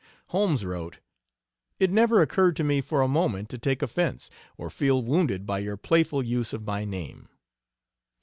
Holmes wrote: "It never occurred to me for a moment to take offense, or feel wounded by your playful use of my name."